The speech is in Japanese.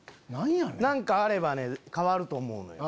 何かあればね変わると思うのよ。